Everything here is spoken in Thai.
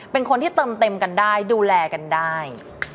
เป็นคนที่เติมเต็มกันได้ดูแลกันได้